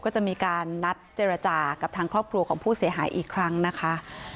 ก็จะมีการนัดเจรจากับทางครอบครัวของผู้เสียหายอีกครั้งนะคะ